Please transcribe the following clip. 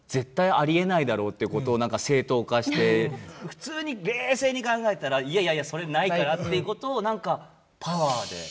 普通に冷静に考えたら「いやいやそれないから」っていうことを何かパワーで。